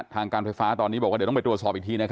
ทางการไฟฟ้าตอนนี้บอกว่าเดี๋ยวต้องไปตรวจสอบอีกที